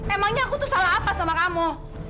emangnya aku tuh salah apa sama kamu